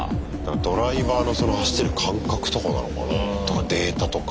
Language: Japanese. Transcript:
ドライバーのその走ってる感覚とかなのかな？とかデータとか？